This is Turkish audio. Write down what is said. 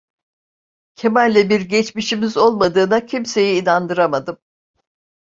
Kemal'le bir geçmişimiz olmadığına kimseyi inandıramadım.